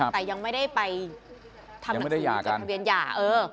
แต่ยังไม่ได้ไปย่ากัน